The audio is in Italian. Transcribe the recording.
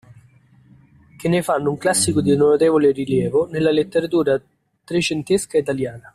Che ne fanno un classico di notevole rilievo nella letteratura trecentesca italiana